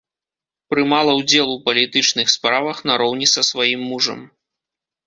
Прымала ўдзел у палітычных справах нароўні са сваім мужам.